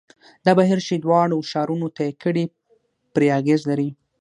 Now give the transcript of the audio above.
دا بهیر چې دواړو ښارونو طی کړې پرې اغېز لري.